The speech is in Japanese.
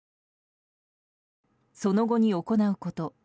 その後に行うこと。